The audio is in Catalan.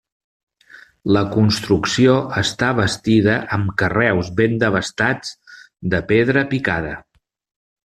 La construcció està bastida amb carreus ben desbastats de pedra picada.